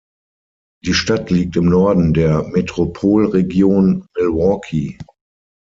Die Stadt liegt im Norden der Metropolregion Milwaukee.